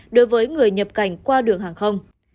đối với người nhập cảnh qua đường hàng không